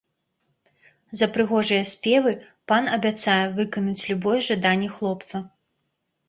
За прыгожыя спевы пан абяцае выканаць любое жаданне хлопца.